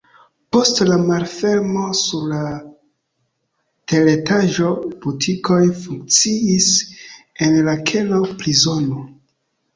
Post la malfermo sur la teretaĝo butikoj funkciis, en la kelo prizono.